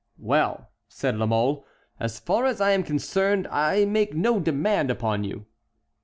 "Well," said La Mole, "as far as I am concerned I make no demand upon you."